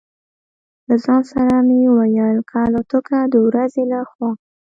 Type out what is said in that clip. له ځان سره مې وویل: که الوتکه د ورځې له خوا.